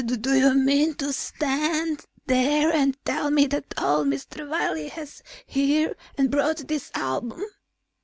"Do you mean to stand there and tell me that old Mr. Wiley was here and brought that album?"